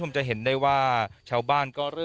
หลังจากผู้ชมไปฟังเสียงแม่น้องชมไป